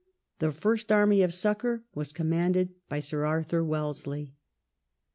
The first army of succour was commanded by Sir Arthur Wellesley.